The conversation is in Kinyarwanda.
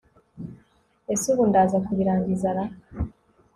ese ubu ndaza kubirangiza ra